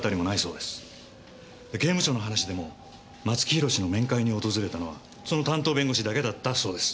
で刑務所の話でも松木弘の面会に訪れたのはその担当弁護士だけだったそうです。